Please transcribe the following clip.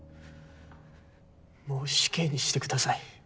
もう死刑にしてください。